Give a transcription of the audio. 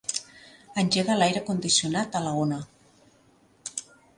Engega l'aire condicionat a la una.